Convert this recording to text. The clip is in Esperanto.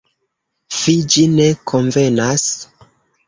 Fi, ĝi ne konvenas!